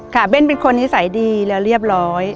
เบ้นเป็นคนนิสัยดีและเรียบร้อย